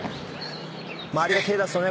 周りが手ぇ出すとね